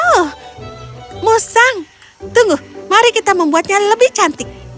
oh musang tunggu mari kita membuatnya lebih cantik